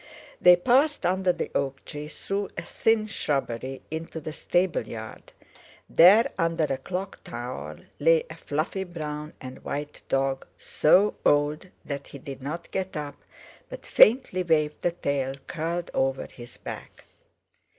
They passed under the oak tree, through a thin shrubbery, into the stable yard. There under a clock tower lay a fluffy brown and white dog, so old that he did not get up, but faintly waved the tail curled over his back.